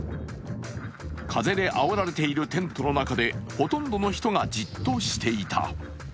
風であおられているテントの中でほとんどの人がじっとしていた。